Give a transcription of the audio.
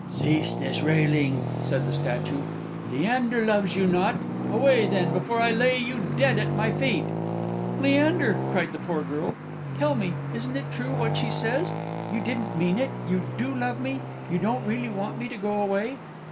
"Cease this railing!" said the statue. "Leander loves you not! Away, then, before I lay you dead at my feet!" "Leander," cried the poor girl, "tell me: it isn't true what she says? You didn't mean it! you do love me! You don't really want me to go away?"